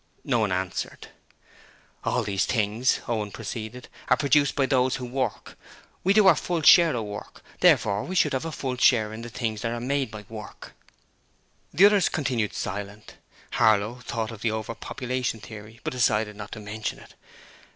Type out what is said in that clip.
No one answered. 'All these things,' Owen proceeded, 'are produced by those who work. We do our full share of the work, therefore we should have a full share of the things that are made by work.' The others continued silent. Harlow thought of the over population theory, but decided not to mention it.